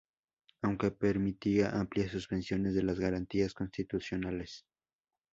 Aunque permitía amplias suspensiones de las garantías constitucionales.